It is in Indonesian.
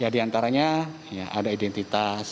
di antaranya ada identitas